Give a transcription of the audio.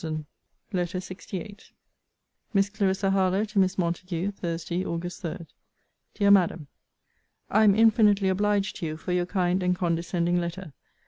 ] LETTER LXVIII MISS CLARISSA HARLOWE, TO MISS MONTAGUE THURSDAY, AUG. 3. DEAR MADAM, I am infinitely obliged to you for your kind and condescending letter.